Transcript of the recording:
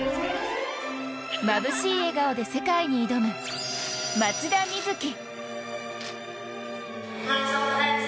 まぶしい笑顔で世界に挑む松田瑞生。